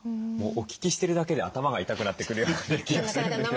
もうお聞きしてるだけで頭が痛くなってくるような気が。